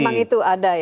jadi memang itu ada ya